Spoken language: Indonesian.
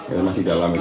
ya masih dalam itu